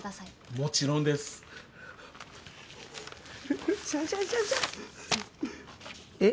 もちろんです！えっ？